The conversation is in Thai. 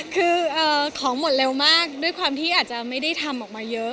คือของหมดเร็วมากด้วยความที่อาจจะไม่ได้ทำออกมาเยอะ